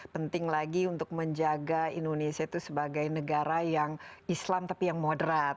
penting lagi untuk menjaga indonesia itu sebagai negara yang islam tapi yang moderat